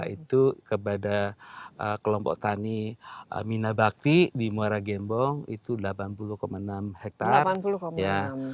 itu kepada kelompok tani minabakti di muara gembong itu delapan puluh enam hektare